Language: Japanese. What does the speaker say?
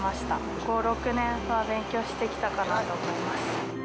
５、６年は勉強してきたかなと思います。